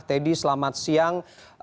teddy selamat siang